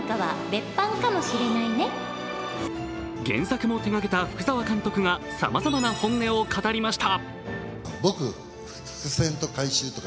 原作も手がけた福澤監督がさまざまな本音を語りました。